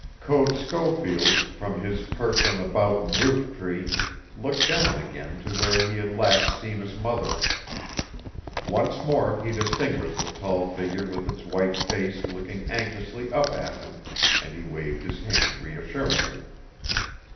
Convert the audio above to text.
Code Schofield, from his perch on the Boughton roof tree, looked down again to where he had last seen his mother. Once more he distinguished the tall figure with its white face looking anxiously up at him, and he waved his hand reassuringly.